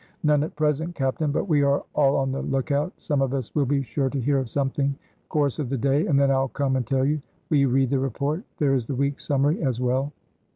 "None at present, captain, but we are all on the lookout. Some of us will be sure to hear of something, course of the day, and then I'll come and tell you. Will you read the report? There is the week's summary as well."